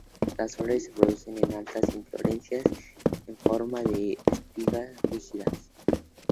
Las flores se producen en altas inflorescencias en forma de espigas rígidas.